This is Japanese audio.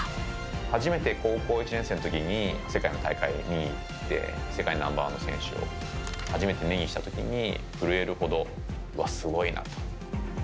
初めて高校１年生のときに、世界の大会を見に行って、世界ナンバー１の選手を初めて目にしたときに、震えるほど、うわっ、すごいなと。